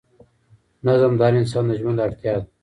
نظم د هر انسان د ژوند اړتیا ده.